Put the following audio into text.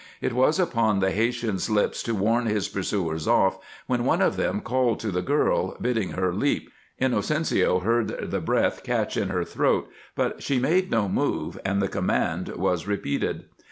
It was upon the Haytian's lips to warn his pursuers off when one of them called to the girl, bidding her leap. Inocencio heard the breath catch in her throat, but she made no move, and the command was repeated.